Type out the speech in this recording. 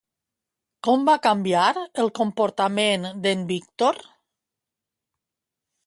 Com va canviar el comportament d'en Víctor?